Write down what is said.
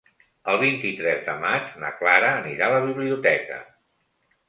El vint-i-tres de maig na Clara anirà a la biblioteca.